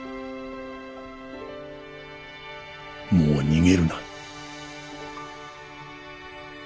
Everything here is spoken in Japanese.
もう逃げるな。